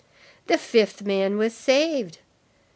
The fifth man was saved.